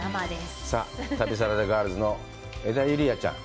さあ、旅サラダガールズの江田友莉亜ちゃん。